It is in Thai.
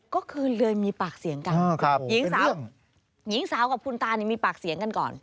ก็คือเลยมีปากเสียงกันหญิงสาวหญิงสาวกับคุณตามีปากเสียงกันก่อน